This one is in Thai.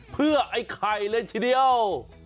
เพื่อไอ้ไข่เลยทีเดียว